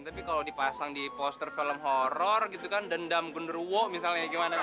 tapi kalau dipasang di poster film horror gitu kan dendam genderuwo misalnya gimana